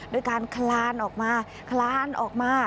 ด้วยการคลานออกมาคลานออกมา